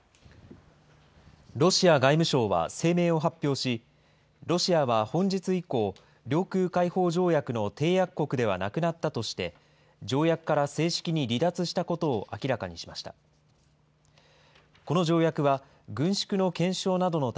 ロシア外務省は声明を発表し、ロシアは本日以降、領空開放条約の締約国ではなくなったとして、条約から正式に離脱したことを明らかにしました。